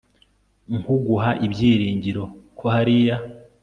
nkuguha ibyiringiro, ko hariya